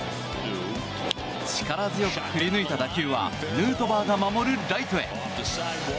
力強く振りぬいた打球はヌートバーが守るライトへ。